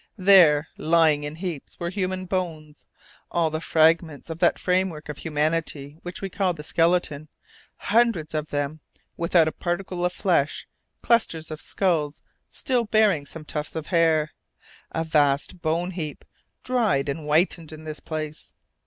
There, lying in heaps, were human bones, all the fragments of that framework of humanity which we call the skeleton, hundreds of them, without a particle of flesh, clusters of skulls still bearing some tufts of hair a vast bone heap, dried and whitened in this place!